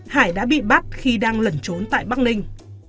hải đã bị bắt khi đang lẩn trốn tại bắc ninh